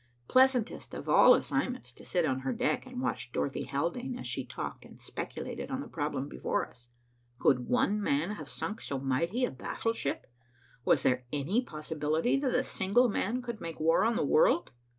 Pleasantest of all assignments to sit on her deck and watch Dorothy Haldane as she talked and speculated on the problem before us. Could one man have sunk so mighty a battleship? Was there any possibility that a single man could make war on the world?